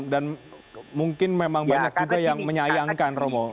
dan mungkin memang banyak juga yang menyayangkan romo